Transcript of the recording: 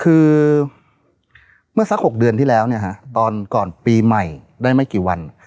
คือเมื่อสัก๖เดือนที่แล้วเนี่ยฮะตอนก่อนปีใหม่ได้ไม่กี่วัน